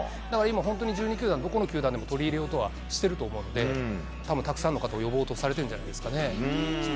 だから本当に１２球団どこの球団でも取り入れようとはしていると思うので多分たくさんの方を呼ぼうとされてるんじゃないですかね。